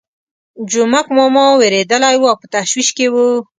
جومک ماما وېرېدلی وو او په تشویش کې وو.